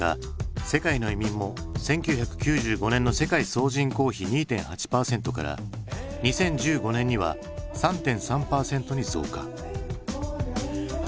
世界の移民も１９９５年の世界総人口比２．８％から２０１５年には３．３％に増加。